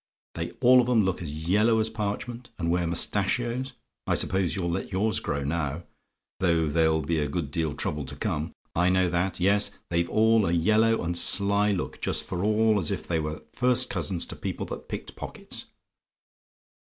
They all of 'em look as yellow as parchment, and wear mustachios I suppose you'll let yours grow now; though they'll be a good deal troubled to come. I know that. Yes, they've all a yellow and sly look; just for all as if they were first cousins to people that picked pockets.